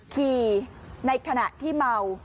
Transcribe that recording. ในขณะที่เมา